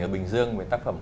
ở bình dương về tác phẩm